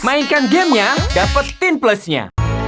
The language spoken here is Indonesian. mainkan gamenya dapet tin plusnya